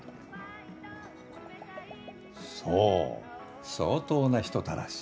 そう相当な人たらし。